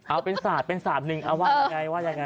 อ่าเป็นศาสตร์เป็นศาสตร์หนึ่งว่าอย่างไร